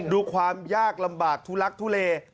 ดูความยากลำบากทุลักทุเล